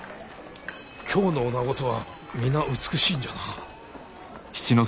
京のおなごとは皆美しいんじゃな。